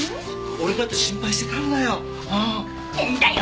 俺だって心配してたんだよ！